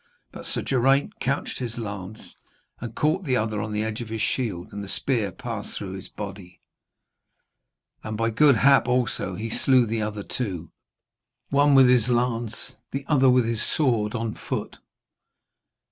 But Sir Geraint couched his lance, and caught the other on the edge of his shield, and the spear passed through his body. And by good hap also he slew the other two, one with his lance, the other with his sword on foot.